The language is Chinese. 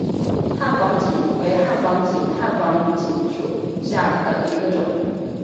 汉防己为防己科汉防己属下的一个种。